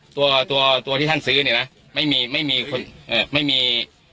ตัวตัวที่ท่านซื้อเนี่ยนะไม่มีไม่มีคนเอ่อไม่มี